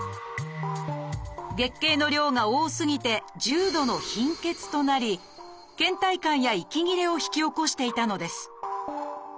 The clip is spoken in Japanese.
月経の量が多すぎて重度の貧血となりけん怠感や息切れを引き起こしていたのです